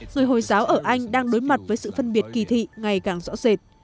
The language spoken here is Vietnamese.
người hồi giáo ở anh đang đối mặt với sự phân biệt kỳ thị ngày càng rõ rệt